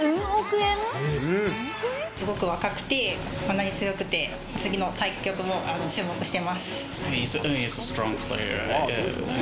すごく若くてこんなに強くて、次の対局も注目してます。